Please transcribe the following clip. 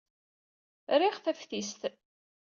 Riɣ taftist.